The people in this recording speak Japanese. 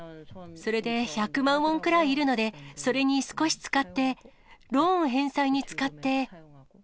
それで１００万ウォンくらいいるので、それに少し使って、ローン返済に使って。